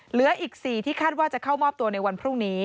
เหลืออีก๔ที่คาดว่าจะเข้ามอบตัวในวันพรุ่งนี้